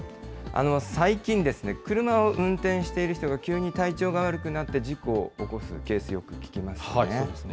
最近、車を運転している人が、急に体調が悪くなって事故を起こすケース、よく聞きますよね。